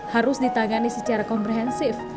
harus ditangani secara komprehensif